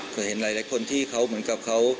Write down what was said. เคยเห็นหลายคนที่เหมือนกับเขา